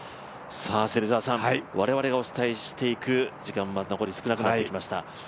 芹澤さん、我々がお伝えしていく時間が残り少なくなってきました。